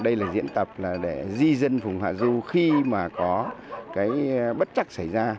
đây là diễn tập để di dân vùng hạ du khi mà có cái bất chắc xảy ra